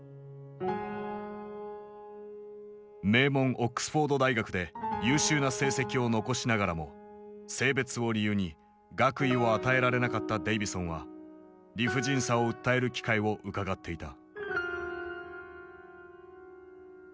名門オックスフォード大学で優秀な成績を残しながらも性別を理由に学位を与えられなかったデイヴィソンは理不尽さを訴える機会をうかがっていた。